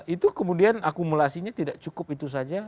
itu kemudian akumulasinya tidak cukup itu saja